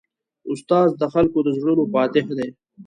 استاد د خلکو د زړونو فاتح دی.